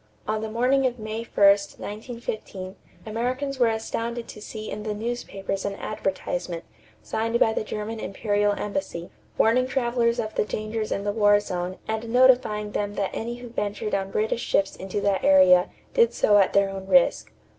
On the morning of May 1, 1915, Americans were astounded to see in the newspapers an advertisement, signed by the German Imperial Embassy, warning travelers of the dangers in the war zone and notifying them that any who ventured on British ships into that area did so at their own risk.